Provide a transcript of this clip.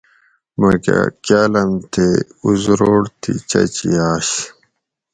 مہۤ کہۤ کاۤلم تے اُزروٹ تھی چچ یاۤش